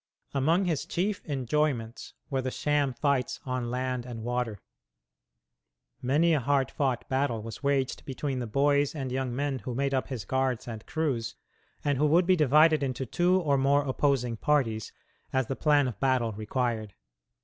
Among his chief enjoyments were the sham fights on land and water. Many a hard fought battle was waged between the boys and young men who made up his guards and crews, and who would be divided into two or more opposing parties, as the plan of battle required.